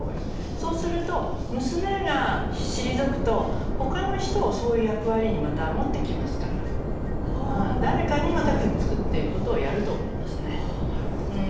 そうすると娘が退くと他の人をそういう役割に持っていきますから誰かにくっつくということをやると思います。